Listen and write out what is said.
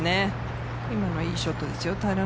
今のいいショットですよ。